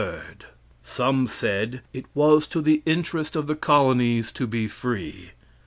Some said it was to the interest of the colonies to be free.